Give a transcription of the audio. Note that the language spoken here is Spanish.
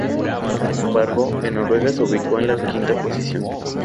Sin embargo, en Noruega se ubicó en la quinta posición.